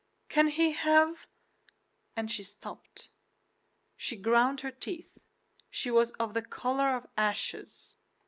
can he have—" and she stopped. She ground her teeth; she was of the color of ashes.